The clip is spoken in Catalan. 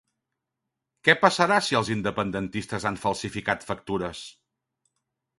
Què passarà si els independentistes han falsificat factures?